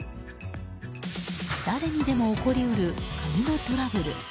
誰にでも起こり得る鍵のトラブル。